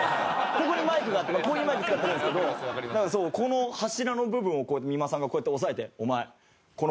ここにマイクがあってこういうマイク使ってるんですけどだからこの柱の部分を三間さんがこうやって押さえて。